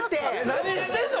何してるの？